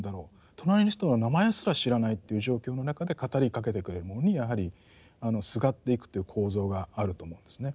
隣の人の名前すら知らないという状況の中で語りかけてくれるものにやはりすがっていくという構造があると思うんですね。